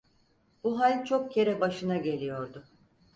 Bu hal çok kere başına geliyordu: